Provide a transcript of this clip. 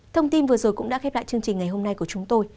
thông tin vừa rồi cũng đã khép lại chương trình ngày hôm nay của chúng tôi